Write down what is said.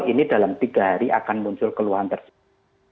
ini dalam tiga hari akan muncul keluhan tersebut